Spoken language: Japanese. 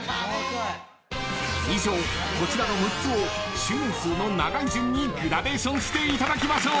［以上こちらの６つを周年数の長い順にグラデーションしていただきましょう］